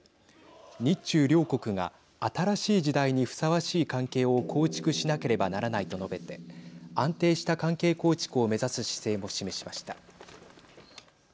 日中両国が新しい時代にふさわしい関係を構築しなければならないと述べて安定した関係構築を目指す姿勢も示しました。